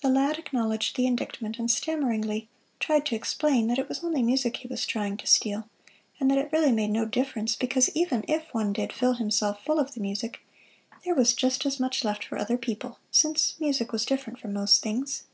The lad acknowledged the indictment, and stammeringly tried to explain that it was only music he was trying to steal; and that it really made no difference because even if one did fill himself full of the music, there was just as much left for other people, since music was different from most things.